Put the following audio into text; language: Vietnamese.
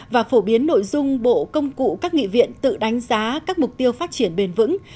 và phổ biến nội dung bộ công cụ các nghị viện tự đánh giá các mục tiêu phát triển bền vững